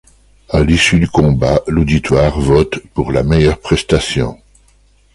À l'issue du combat, l'auditoire vote pour la meilleure prestation.